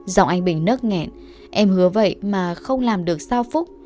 dòng anh bình nớt nghẹn em hứa vậy mà không làm được sao phúc